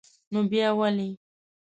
نو با ولي?